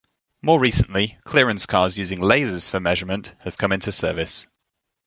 More recently, clearance cars using lasers for measurement have come into service.